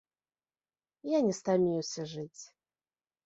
Я не стаміўся жыць.